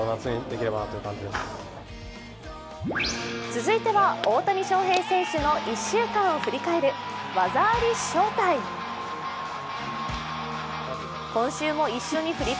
続いては、大谷翔平選手の１週間を振り返る「技ありＳＨＯＷ−ＴＩＭＥ」。